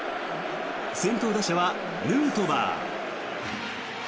先頭打者はヌートバー。